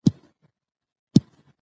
که دسترخوان خلاص وي نو میلمه نه شرمیږي.